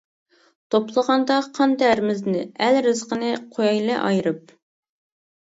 توپلىغاندا قان تەرىمىزنى، ئەل رىزقىنى قويايلى ئايرىپ.